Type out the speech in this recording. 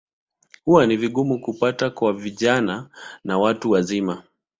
Huwa ni vigumu kupata kwa vijana na watu wazima.